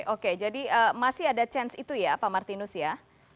oke jadi masih ada chance itu ya pak martinus ya